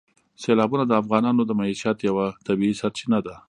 سیلابونه د افغانانو د معیشت یوه طبیعي سرچینه ده.